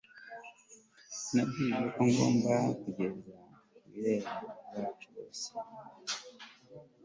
nabwirijwe ko ngomba kugeza ku bizera bacu bose